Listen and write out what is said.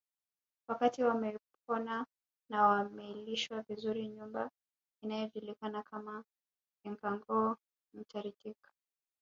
Wakati wamepona na wamelishwa vizuri nyumba inayojulikana kama Enkangoo Ntaritik